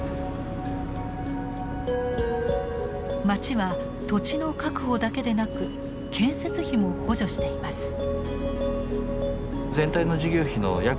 町は土地の確保だけでなく建設費も補助しています。